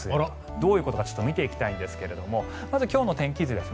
どういうことか見ていきたいんですがまず今日の天気図です。